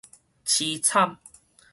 悽慘